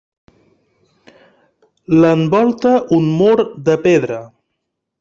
L'envolta un mur de pedra.